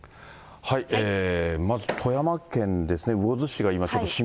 まず富山県ですね、魚津市が